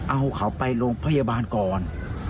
เอาเขาไปโรงพยาบาลก่อน